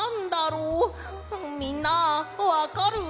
みんなわかる？